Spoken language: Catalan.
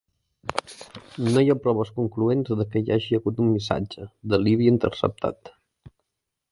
No hi ha proves concloents de què hi hagi hagut un missatge de Líbia interceptat.